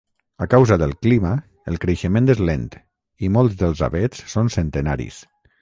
A causa del clima, el creixement és lent, i molts dels avets són centenaris.